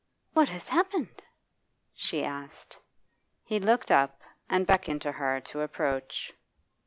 'What has happened?' she asked. He looked up and beckoned to her to approach.